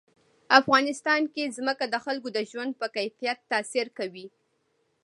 افغانستان کې ځمکه د خلکو د ژوند په کیفیت تاثیر کوي.